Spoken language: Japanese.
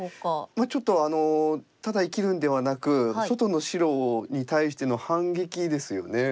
ちょっとただ生きるんではなく外の白に対しての反撃ですよね。